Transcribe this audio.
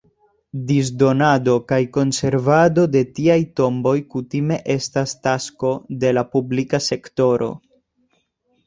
Disdonado kaj konservado de tiaj tomboj kutime estas tasko de la publika sektoro.